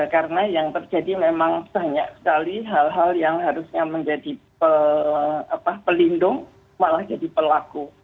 karena yang terjadi memang hanya sekali hal hal yang harusnya menjadi pelindung malah jadi pelaku